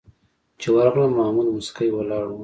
چې ورغلم محمود موسکی ولاړ و.